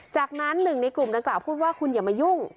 จากนั้นหนึ่งในกลุ่มดังกล่าวพูดว่าคุณอย่ามายุ่ง